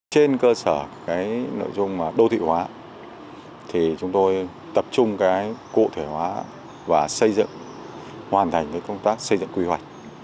trên cơ sở nội dung đô thị hóa chúng tôi tập trung cụ thể hóa và xây dựng hoàn thành công tác xây dựng quy hoạch